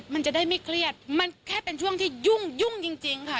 มันจะได้ไม่เครียดมันแค่เป็นช่วงที่ยุ่งยุ่งจริงค่ะ